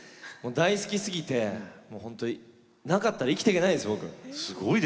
大好きすぎて本当、なかったら生きていけないです。